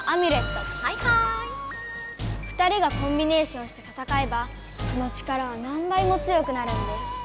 ２人がコンビネーションして戦えばその力は何倍も強くなるんです。